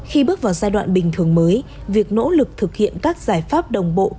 khi bước vào giai đoạn bình thường mới việc nỗ lực thực hiện các giải pháp đồng bộ